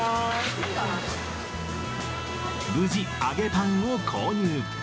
無事、揚げパンを購入。